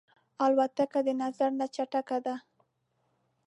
الوتکه د نظر نه چټکه ده.